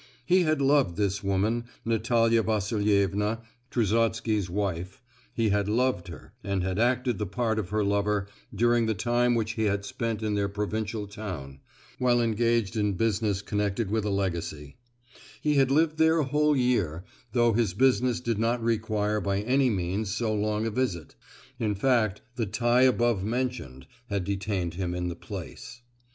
He had loved this woman, Natalia Vasilievna—Trusotsky's wife,—he had loved her, and had acted the part of her lover during the time which he had spent in their provincial town (while engaged in business connected with a legacy); he had lived there a whole year, though his business did not require by any means so long a visit; in fact, the tie above mentioned had detained him in the place.